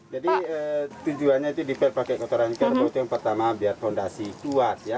jadi tujuannya itu dipel pakai kotoran kerbau itu yang pertama biar fondasi kuat ya